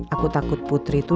aku takut putri itu